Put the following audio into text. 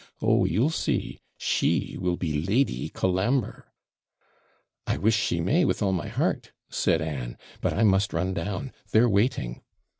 Oh, you'll see, she will be Lady Colambre!' 'I wish she may, with all my heart' said Anne; 'but I must run down they're waiting.'